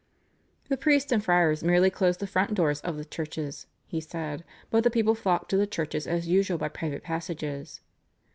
The priests and friars merely closed the front doors of the churches, he said, but the people flocked to the churches as usual by private passages.